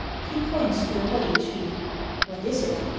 He points to a holly tree. "What is it?"